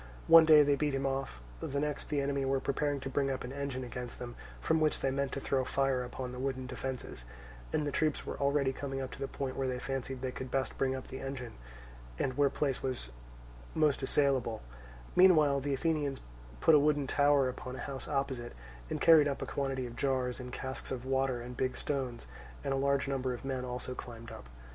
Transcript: One day they beat him off; the next the enemy were preparing to bring up an engine against them from which they meant to throw fire upon the wooden defences, and the troops were already coming up to the point where they fancied they could best bring up the engine, and where place was most assailable; meanwhile the Athenians put a wooden tower upon a house opposite, and carried up a quantity of jars and casks of water and big stones, and a large number of men also climbed up.